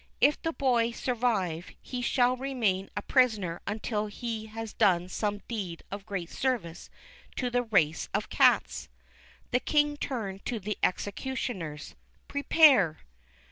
If the Boy survive, he shall remain a prisoner until he has done some deed of great service to the race of cats.'' The King turned to the executioners: Prepare."